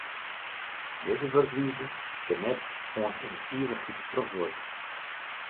Dizze wurkwize kin net oant yn ivichheid trochduorje.